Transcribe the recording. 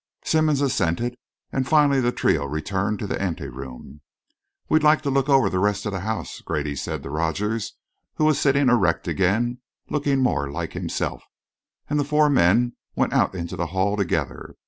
Simmonds assented, and finally the trio returned to the ante room. "We'd like to look over the rest of the house," Grady said to Rogers, who was sitting erect again, looking more like himself, and the four men went out into the hall together.